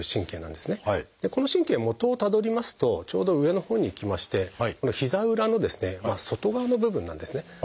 この神経はもとをたどりますとちょうど上のほうに行きましてこの膝裏の外側の部分なんですね。